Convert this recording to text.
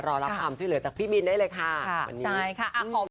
รอรับคำที่เหลือจากพี่มินได้เลยค่ะค่ะใช่ค่ะ